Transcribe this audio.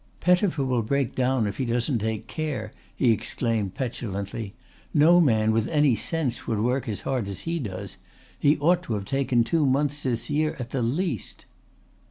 "Pettifer will break down if he doesn't take care," he exclaimed petulantly. "No man with any sense would work as hard as he does. He ought to have taken two months this year at the least."